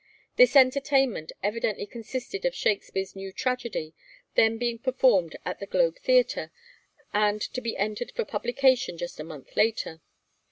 This entertainment evidently consisted of Shakespeare's new tragedy, then being performed at the Globe Theatre and to be entered for publication just a month later.